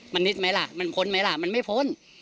มันนิดไหมล่ะมันพ้นไหมล่ะมันไม่พ้น